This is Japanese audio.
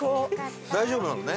大丈夫なのね？